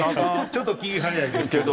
ちょっと気い早いですけど。